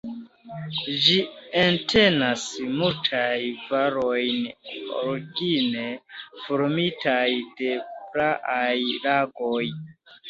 Ĝi entenas multajn valojn origine formitaj de praaj lagoj.